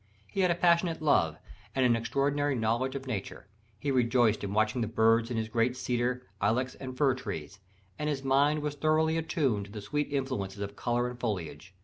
He had a passionate love, and an extraordinary knowledge of Nature: he rejoiced in watching the birds in his great cedar, ilex and fir trees, and his mind was thoroughly attuned to the sweet influences of colour and foliage.